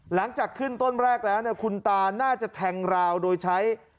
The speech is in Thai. หลังจากขึ้นต้นแรกแล้วคุณตาน่าจะแทงราวโดยใช้